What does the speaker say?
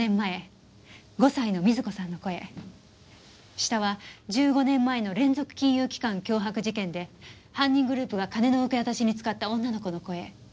下は１５年前の連続金融機関脅迫事件で犯人グループが金の受け渡しに使った女の子の声。